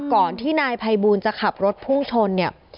ก่อนที่นายภัยบูลจะขับรถพุ่งชนเนี่ย